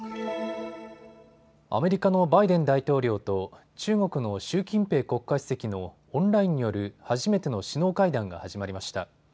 アメリカのバイデン大統領と中国の習近平国家主席のオンラインによる初めての首脳会談が始まりました。